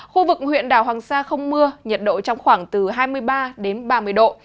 khu vực huyện đảo hoàng sa không mưa nhiệt độ trong khoảng từ hai mươi ba đến ba mươi độ